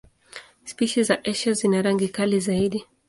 Spishi za Asia zina rangi kali zaidi.